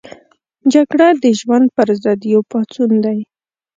جګړه د ژوند پر ضد یو پاڅون دی